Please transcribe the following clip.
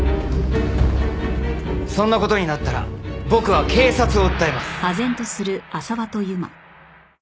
そんな事になったら僕は警察を訴えます。